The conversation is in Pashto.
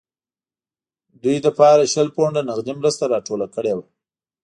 دوی لپاره شل پونډه نغدي مرسته راټوله کړې وه.